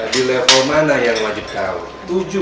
di level mana yang wajib tahu